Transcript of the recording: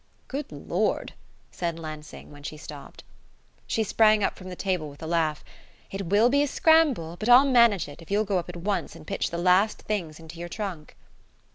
"Good Lord " said Lansing, when she stopped. She sprang up from the table with a laugh. "It will be a scramble; but I'll manage it, if you'll go up at once and pitch the last things into your trunk."